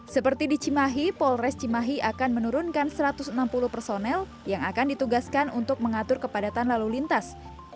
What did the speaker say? seperti di cimahi polres cimahi akan menurunkan satu ratus enam puluh personel yang akan ditugaskan untuk mengatur kepadatan lalu lintas